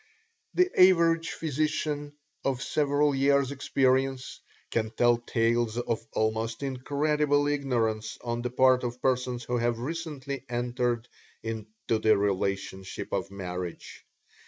The average physician of several years' experience can tell tales of almost incredible ignorance on the part of persons who have recently entered into the relationship of marriage.